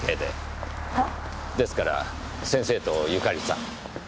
ですから先生とゆかりさん。